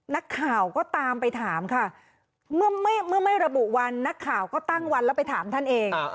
นักข่าวก็ตามไปถามค่ะเมื่อไม่ระบุวันนักข่าวก็ตั้งวันแล้วไปถามท่านเอง